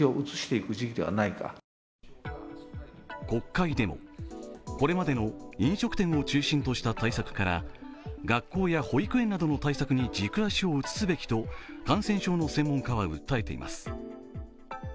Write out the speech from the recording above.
国会でも、これまでの飲食店を中心とした対策から学校や保育園などの対策に軸足を移すべきと感染症の専門家は訴えています。